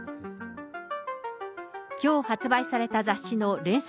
きょう発売された雑誌の連載